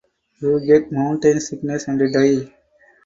You get mountain sickness and die.